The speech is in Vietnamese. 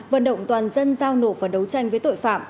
vận động toàn dân giao nổ và đấu tranh với tội phạm